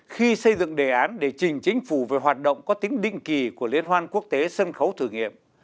khi xây dựng đề án để trình chính phủ về hoạt động có tính định kỳ của liên hoan quốc tế sân khấu thử nghiệm